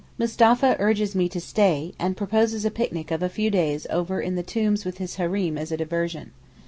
Mustapha urges me to stay, and proposes a picnic of a few days over in the tombs with his Hareem as a diversion.